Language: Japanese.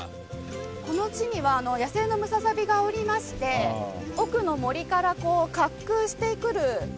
この地には野生のムササビがおりまして奥の森からこう滑空してくる。